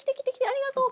ありがとう！」